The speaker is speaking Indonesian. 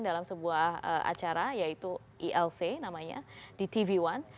dalam sebuah acara yaitu ilc namanya di tv one